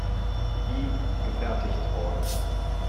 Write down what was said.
I, gefertigt worden.